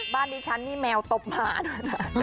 บ้านดิฉันนี่แมวตบหมาดูหน่อย